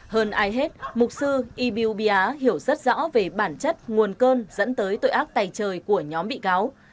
hơn ai hết mục sư ibiubia hiểu rất rõ về bản chất nguồn cơn dẫn tới tội ác tài trời của nhóm bị cáo